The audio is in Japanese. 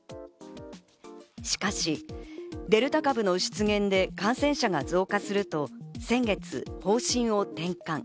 しかしデルタ株の出現で感染者が増加すると先月方針を転換。